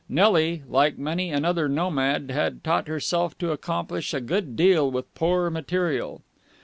Nelly, like many another nomad, had taught herself to accomplish a good deal with poor material.